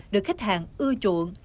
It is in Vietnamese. được khách hàng ưa chuộng